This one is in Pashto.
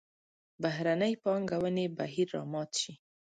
بهرنۍ پانګونې بهیر را مات شي.